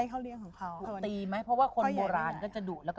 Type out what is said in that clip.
เขาเลี้ยงของเขาอะเนาะ